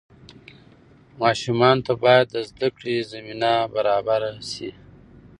ماشومانو ته باید د زدهکړې زمینه برابره شي.